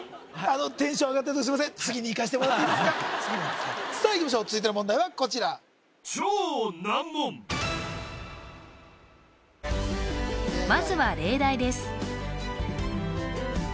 あのテンション上がってるところすいませんさあいきましょう続いての問題はこちらまずは例題です